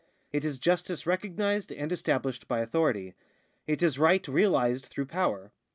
It is justice recognised and established by authority. It is right realised through power.